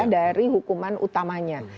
dari hukuman utamanya